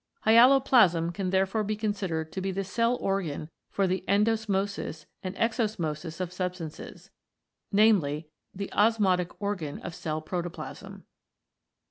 Hyaloplasm can therefore be considered to be the cell organ for the Endosmosis and Exosmosis of substances, i.e. the osmotic organ of cell protoplasm.